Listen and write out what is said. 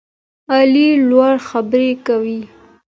علي لوړې خبرې کوي.